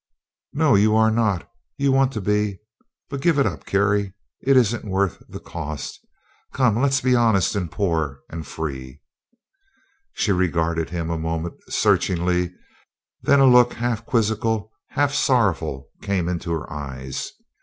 "No, you are not. You want to be; but give it up, Carrie; it isn't worth the cost. Come, let's be honest and poor and free." She regarded him a moment, searchingly, then a look half quizzical, half sorrowful came into her eyes.